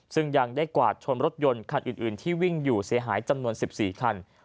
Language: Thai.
ซึ่งยังได้กวาดชนรถยนต์คันอื่นที่วิ่งอยู่เสียหายจำนวน๑๔คัน